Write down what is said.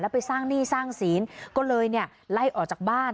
แล้วไปสร้างหนี้สร้างสีนก็เลยไล่ออกจากบ้าน